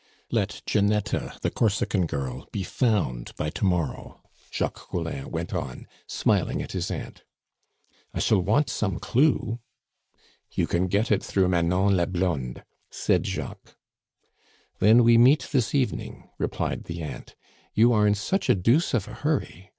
"Let Ginetta, the Corsican girl, be found by to morrow," Jacques Collin went on, smiling at his aunt. "I shall want some clue." "You can get it through Manon la Blonde," said Jacques. "Then we meet this evening," replied the aunt, "you are in such a deuce of a hurry.